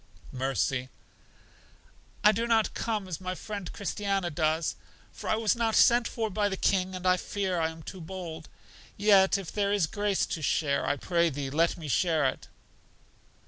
Mercy: I do not come as my friend Christiana does, for I was not sent for by the King, and I fear I am too bold. Yet if there is grace to share, I pray Thee let me share it.